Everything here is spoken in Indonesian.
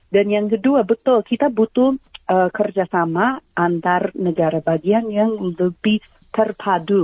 dan yang kedua betul kita butuh kerjasama antar negara bagian yang lebih terpadu